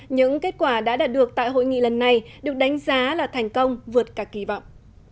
những kết quả đã đạt được tại hội nghị lần này được đánh giá là thành công vượt cả kỳ vọng